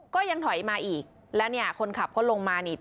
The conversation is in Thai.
ก็ยังถอยมาอีกแล้วเนี่ยคนขับก็ลงมานี่